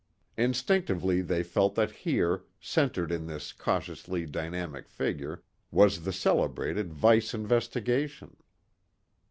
Instinctively they felt that here, centered in this cautiously dynamic figure, was the celebrated Vice Investigation.